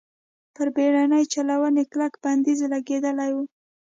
پر بېړۍ چلونې کلک بندیز لګېدلی و.